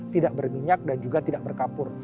tidak berminyak dan juga tidak berkapur